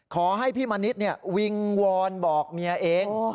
ขอให้พี่มณิษฐ์วิงวอนบอกเมียเอง